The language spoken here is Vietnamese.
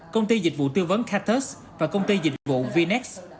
công ty dịch vụ tư vấn cartus và công ty dịch vụ vnex